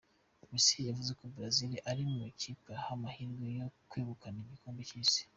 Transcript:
Messi yavuze ko Brazil iri mu makipe aha amahirwe yo kwegukana igikombe cy’isi.